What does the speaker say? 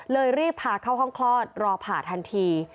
รีบพาเข้าห้องคลอดรอผ่าทันที